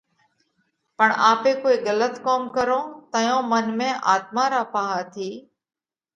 پڻ آپي ڪوئي ڳلت ڪوم ڪرونھ تئيون منَ ۾ آتما را پاھا ٿِي